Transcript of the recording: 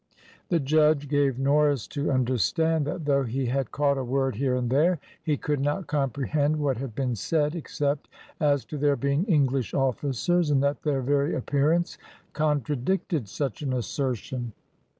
The judge gave Norris to understand, that though he had caught a word here and there, he could not comprehend what had been said, except as to their being English officers, and that their very appearance contradicted such an assertion.